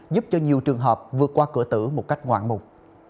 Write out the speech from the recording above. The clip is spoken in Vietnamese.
giúp cho nhiều trường hợp vượt qua cửa tử một cách ngoạn mục